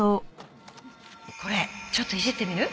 これちょっといじってみる？